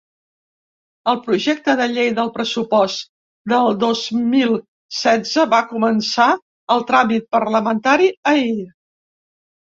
El projecte de llei del pressupost del dos mil setze va començar el tràmit parlamentari ahir.